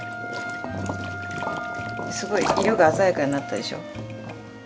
すごい色が鮮やかになったでしょ。